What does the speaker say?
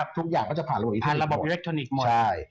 ทุกอย่างก็จะผ่านรถอีทบุไดหมดใช้